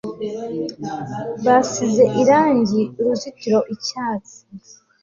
basize irangi uruzitiro icyatsi